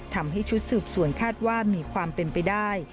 ทำให้ชุดสืบสวนคาดว่ามีความเป็นไปได้